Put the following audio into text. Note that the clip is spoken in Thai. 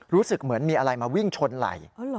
รู้สึกเหมือนมีอะไรมาวิ่งชนไหล่